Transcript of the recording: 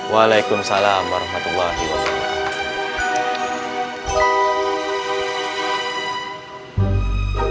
waalaikumsalam warahmatullahi wabarakatuh